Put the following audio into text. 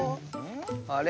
あれ？